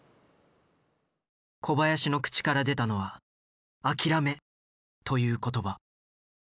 小林の口から出たのは“諦め”という言葉。